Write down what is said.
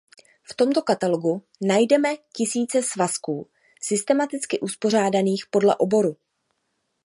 V tomto katalogu najdeme tisíce svazků systematicky uspořádaných podle oboru.